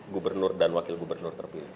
gubernur dan wakil gubernur terpilih